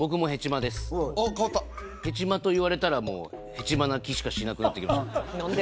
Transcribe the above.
ああ変わったヘチマと言われたらもうヘチマな気しかしなくなってきました何で？